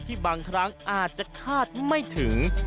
บางครั้งอาจจะคาดไม่ถึง